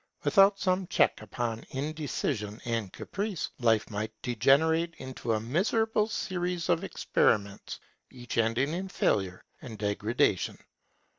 Without some check upon indecision and caprice, life might degenerate into a miserable series of experiments, each ending in failure and degradation.